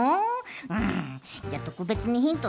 うんじゃあとくべつにヒントね。